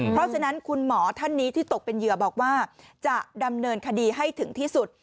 เพราะฉะนั้นคุณหมอท่านนี้ที่ตกเป็นเหยื่อบอกว่าจะดำเนินคดีให้ถึงที่สุด